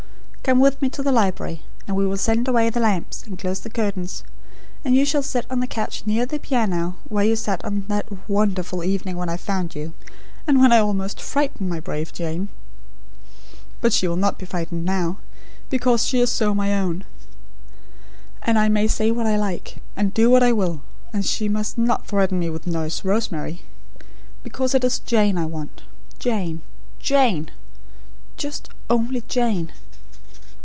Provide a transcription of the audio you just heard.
Come with me to the library, and we will send away the lamps, and close the curtains; and you shall sit on the couch near the piano, where you sat, on that wonderful evening when I found you, and when I almost frightened my brave Jane. But she will not be frightened now, because she is so my own; and I may say what I like; and do what I will; and she must not threaten me with Nurse Rosemary; because it is Jane I want Jane, Jane; just ONLY Jane!